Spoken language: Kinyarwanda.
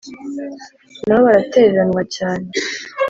na bo baratereranwa cyane